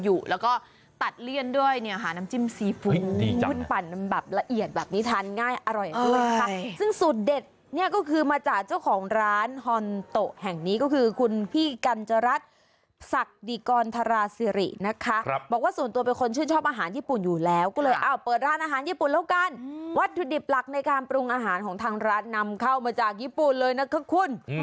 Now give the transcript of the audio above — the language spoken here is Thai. กูเลยเปิดร้านอาหารญี่ปุ่นแล้วกันวัสดิบหลักในการปรุงอาหารของทางรัฐนำเข้าจากญี่ปุ่นเลยนะครับคุณ